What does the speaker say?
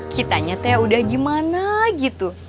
kita nyatanya udah gimana gitu